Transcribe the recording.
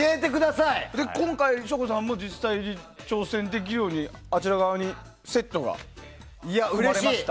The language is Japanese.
今回、省吾さんも実際に挑戦できるようにあちらにセットが組まれました。